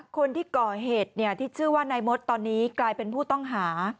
คนที่ก่อเหตุที่ชื่อว่านายมดตอนนี้กลายเป็นผู้ต้องหา